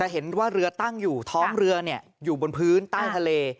เห็นว่าเรือตั้งอยู่ท้องเรืออยู่บนพื้นใต้ทะเล